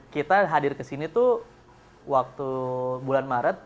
kita hadir ke sini tuh waktu bulan maret